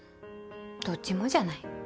どっちもじゃない？